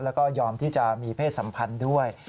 แล้วก็ยอมที่จะมีเพศสัมพันธ์ด้วย